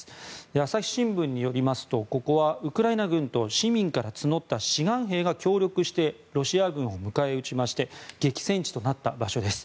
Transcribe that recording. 朝日新聞によりますとここはウクライナ軍と市民から募った志願兵が協力してロシア軍を迎え撃ちまして激戦地となった場所です。